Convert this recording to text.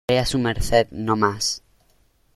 vea su merced no más...